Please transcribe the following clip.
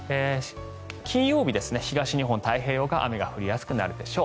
金曜日、東日本太平洋側は雨が降りやすくなるでしょう。